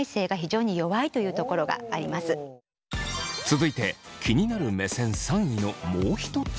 続いて気になる目線３位のもう一つ。